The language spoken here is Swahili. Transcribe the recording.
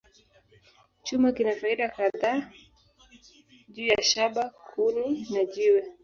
Chuma kina faida kadhaa juu ya shaba, kuni, na jiwe.